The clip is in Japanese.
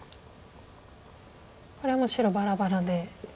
これはもう白バラバラで。